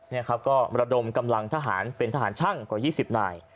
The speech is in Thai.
นี่ครับก็ระดมกำลังทหารเป็นทหารช่างกว่า๒๐นาย